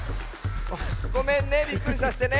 ごめんねびっくりさせてね。